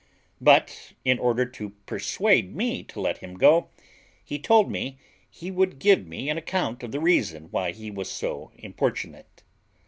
But, in order to persuade me to let him go, he told me he would give me an account of the reason why he was so importunate.